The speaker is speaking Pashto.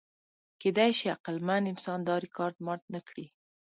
کېدی شي عقلمن انسان دا ریکارډ مات نهکړي.